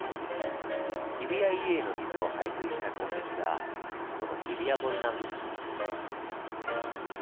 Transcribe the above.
日比谷入江の水を排水した痕跡がこの日比谷堀なんです。